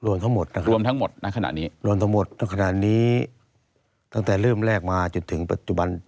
หมดนะครับรวมทั้งหมดนะขณะนี้รวมทั้งหมดขนาดนี้ตั้งแต่เริ่มแรกมาจนถึงปัจจุบัน